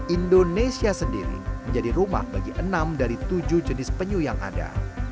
indonesia sendiri menjadi rumah bagi enam dari tujuh jenis penyu yang ada